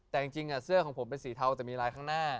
แต่จริงเสื้อของผมเป็นสีเทาแต่มีลายข้างหน้า